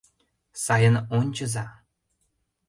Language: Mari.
Сайын ончыза!